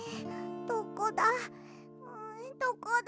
どこだ？